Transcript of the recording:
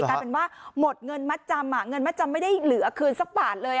กลายเป็นว่าหมดเงินมัดจำเงินมัดจำไม่ได้เหลือคืนสักบาทเลย